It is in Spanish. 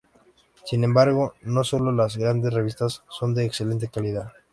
Sin embargo, no solo las grandes revistas son de excelente calidad.